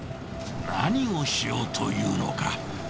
何をしようというのか。